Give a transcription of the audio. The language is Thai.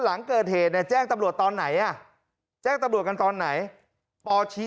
หลังเกิดเหตุเนี่ยแจ้งตำรวจตอนไหนอ่ะแจ้งตำรวจกันตอนไหนปชี้